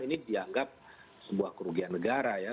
ini dianggap sebuah kerugian negara ya